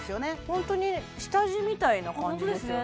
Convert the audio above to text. ホントに下地みたいな感じですよ